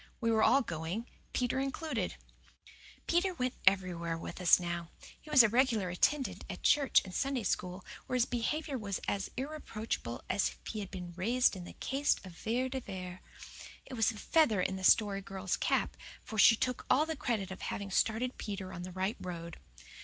We were all going, Peter included. Peter went everywhere with us now. He was a regular attendant at church and Sunday School, where his behaviour was as irreproachable as if he had been "raised" in the caste of Vere de Vere. It was a feather in the Story Girl's cap, for she took all the credit of having started Peter on the right road.